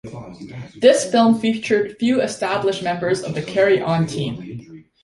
This film featured few established members of the "Carry On" team.